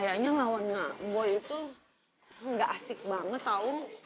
kayaknya lawan ngeboy itu enggak asik banget tahu